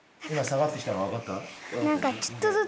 いま下がってきたのわかった？